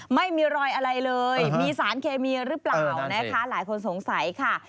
ไม่มีรอยอะไรเลยมีสารเคมีหรือเปล่านะคะหลายคนสงสัยค่ะ